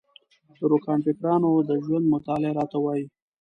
د روښانفکرانو د ژوند مطالعه راته وايي.